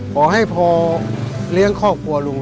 ขอให้พอเลี้ยงครอบครัวลุง